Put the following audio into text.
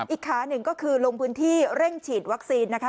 อีกขาหนึ่งก็คือลงพื้นที่เร่งฉีดวัคซีนนะคะ